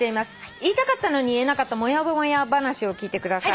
「言いたかったのに言えなかったもやもや話を聞いてください」